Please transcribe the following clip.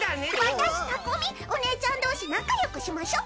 私タコ美お姉ちゃん同士仲よくしましょう。